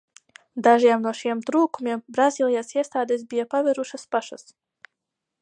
Dažiem no šiem trūkumiem Brazīlijas iestādes bija pievērsušās pašas.